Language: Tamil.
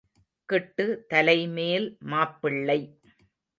கிட்டு தலைமேல் மாப்பிள்ளை.